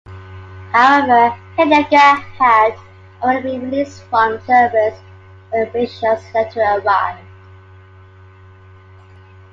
However Heidegger had already been released from service when Fischer's letter arrived.